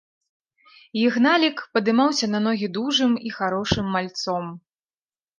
Ігналік падымаўся на ногі дужым і харошым мальцом.